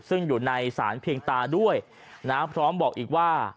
ซึ่งอยู่ในสารเพียงตาด้วยนะพร้อมบอกอีกว่า